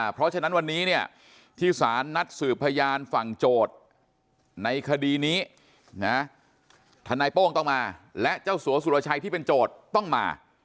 เพราะฉะนั้นวันนี้เนี่ยที่สารนัดสืบพยานฝั่งโจทย์ในคดีนี้นะทนายโป้งต้องมาและเจ้าสัวสุรชัยที่เป็นโจทย์ต้องมา